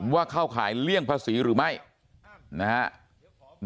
เข้าข่ายเลี่ยงภาษีหรือไม่นะฮะ